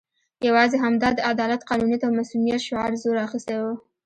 یوازې همدا د عدالت، قانونیت او مصونیت شعار زور اخستی وو.